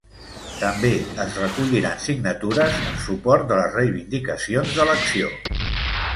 També es recolliran signatures en suport de les reivindicacions de l’acció.